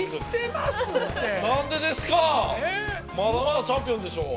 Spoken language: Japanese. まだまだ、チャンピオンでしょう。